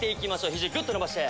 肘グッと伸ばして！